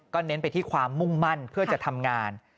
เน้นไปที่ความมุ่งมั่นเพื่อจะทำงาน